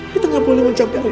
kita nggak boleh mencampurin